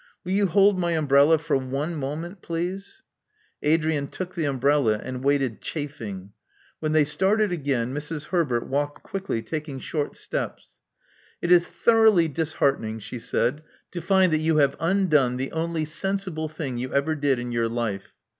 Will you hold my umbrella for one moment, pleaser' Adrian took the umbrella, and waited chafing. When they started again, Mrs. Herbert walked quickly, taking short steps. It is thoroughly disheartening," she said, to find that you have undone the only sensible thing you ever did in your life.